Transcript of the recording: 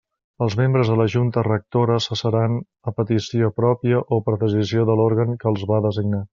Els membres de la Junta Rectora cessaran a petició pròpia o per decisió de l'òrgan que els va designar.